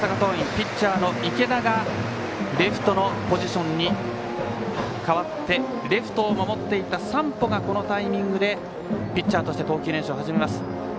ピッチャーの池田がレフトのポジションに代わってレフトを守っていた山保がこのタイミングでピッチャーとして投球練習を始めます。